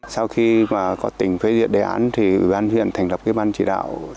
sau khi có tỉnh phê diện đề án thì ủy ban huyện thành lập cái ban chỉ đạo